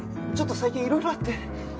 ちょっと最近いろいろあって。